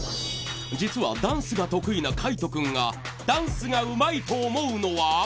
実はダンスが得意な海人君がダンスがうまいと思うのは？